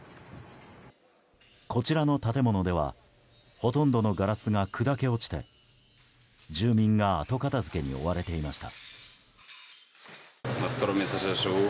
こちらの建物ではほとんどのガラスが砕け落ちて住民が後片付けに追われていました。